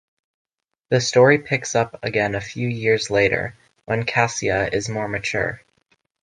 The story picks up again a few years later when Casseia is more mature.